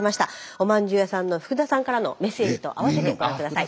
おまんじゅう屋さんの福田さんからのメッセージと併せてご覧下さい。